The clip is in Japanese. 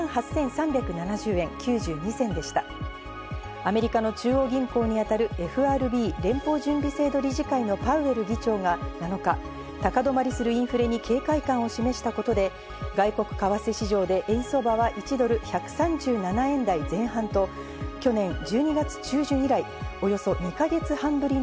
アメリカの中央銀行にあたるＦＲＢ＝連邦準備制度理事会のパウエル議長は７日、高止まりするインフレに警戒感を示したことで、外国為替市場で円相場はおまたせありがとう卒業おめでとうお前の親でよかったのだ！